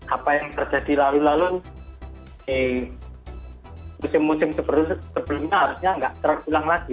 apa yang terjadi lalu lalu di musim musim sebelumnya harusnya nggak terulang lagi